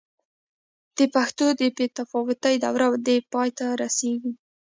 د پښتو د بې تفاوتۍ دوره دې پای ته رسېږي.